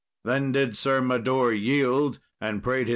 Then did Sir Mador yield, and prayed his life.